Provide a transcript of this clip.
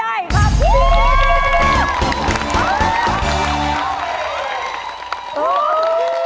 ได้ครับจริง